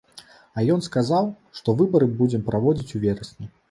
А ён сказаў, што выбары будзем праводзіць у верасні.